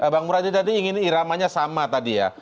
bang muradi tadi ingin iramanya sama tadi ya